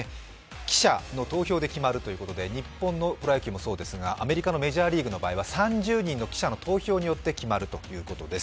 記者の投票で決まるということで日本のプロ野球もそうですがアメリカのメジャーリーグの場合は、３０人の記者による投票によって決まるということです。